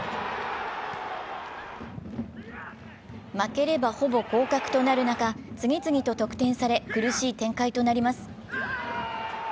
負ければほぼ降格となる中、次々と得点され、苦しい展開となります。